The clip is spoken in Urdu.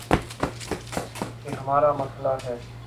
یہ ہمار امسئلہ ہے۔